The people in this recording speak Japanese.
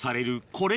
これ。